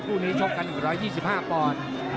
คู่นี้ชกกัน๑๒๕ปอนด์